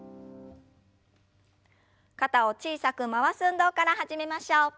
肩を小さく回す運動から始めましょう。